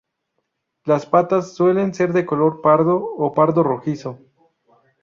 Las patas suelen ser de color pardo o pardo-rojizo.